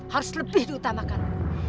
harus lebih diutamakan